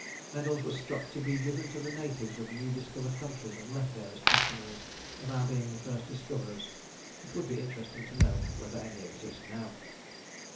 Medals were struck "to be given to the natives of new discovered countries, and left there as testimonies of our being the first discoverers." It would be interesting to know whether any exist now.